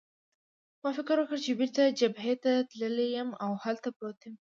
ما فکر وکړ چې بېرته جبهې ته تللی یم او هلته پروت یم.